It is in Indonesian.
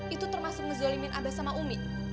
itu termasuk menzolimin abah sama umi